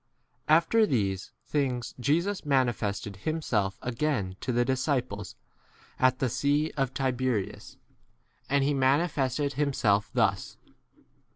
After these things Jesus manifested himself again to the disciples at the sea of Tiberias. And he manifested himself thus.